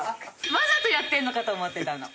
わざとやってんのかと思ってたの。